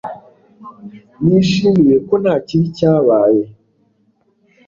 nishimiye ko nta kibi cyabaye